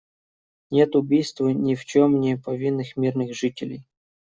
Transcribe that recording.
Нет убийству ни в чем не повинных мирных жителей.